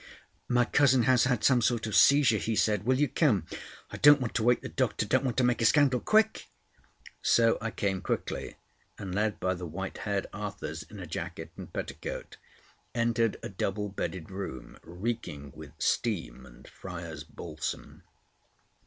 "My cousin has had some sort of a seizure," he said. "Will you come? I don't want to wake the doctor. Don't want to make a scandal. Quick!" So I came quickly, and led by the white haired Arthurs in a jacket and petticoat, entered a double bedded room reeking with steam and Friar's Balsam.